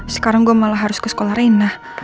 sekarang gue malah harus ke sekolah raina